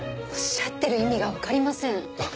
おっしゃってる意味がわかりません。